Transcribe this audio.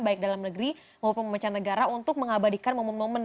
baik dalam negeri maupun mancanegara untuk mengabadikan momen momen